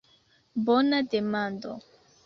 Bona demando!